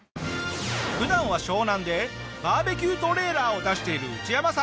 普段は湘南でバーベキュートレーラーを出しているウチヤマさん。